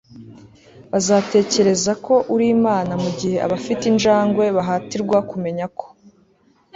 bazatekereza ko uri imana mu gihe abafite injangwe bahatirwa kumenya ko